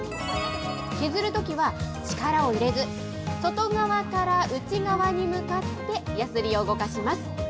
削るときは力を入れず、外側から内側に向かってやすりを動かします。